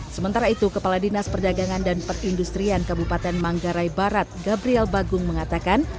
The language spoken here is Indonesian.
sementara itu kepala dinas perdagangan dan perindustrian kabupaten manggarai barat gabriel bagung mengatakan